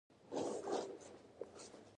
اعزرائيله همسفره چېرته لاړو؟!